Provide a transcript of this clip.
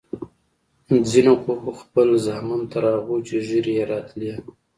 ځينو خو خپل زامن تر هغو چې ږيرې يې راتلې.